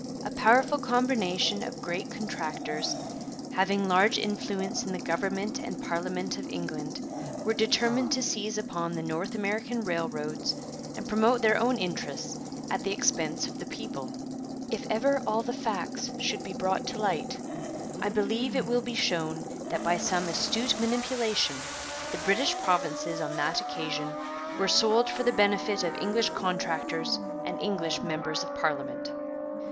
'A powerful combination of great contractors, having large influence in the Government and Parliament of England, were determined to seize upon the North American railroads and promote their own interests at the expense of the people.' 'If ever all the facts should be brought to light, I believe it will be shown that by some astute manipulation the British provinces on that occasion were sold for the benefit of English contractors and English members of Parliament.'